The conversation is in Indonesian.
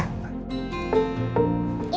ini om baik